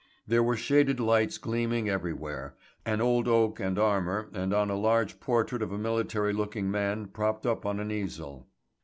There were shaded lights gleaming everywhere, on old oak and armour and on a large portrait of a military looking man propped up on an easel.